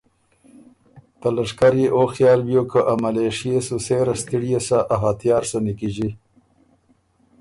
ته لشکر يې او خیال بیوک که املېشئے سُو سېره ستِړيې سَۀ ا هتیار سُو نیکیݫی